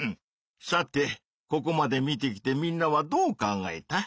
さてここまで見てきてみんなはどう考えた？